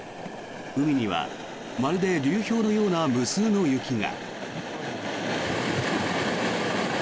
海にはまるで流氷のような無数の雪が。